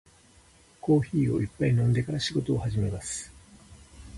コーヒーを一杯飲んでから仕事を始めます。